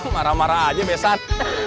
marah marah aja besan